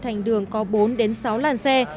hành đường có bốn đến sáu làn xe